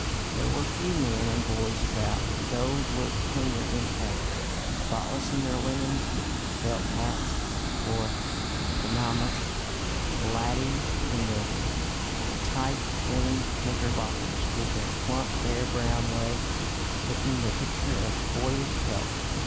There were few men and boys about, but those looked cleaner than ever spotless in their linens, with felt hats or panamas; the laddies, in their tight linen knickerbockers with their plump bare brown legs, looking the picture of boyish health.